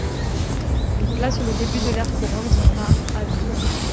Il place le début de l'ère courante à av.